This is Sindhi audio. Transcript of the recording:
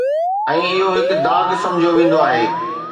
۽ اهو هڪ داغ سمجهيو ويندو آهي.